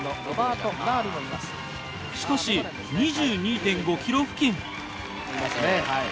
しかし２２．５ｋｍ付近。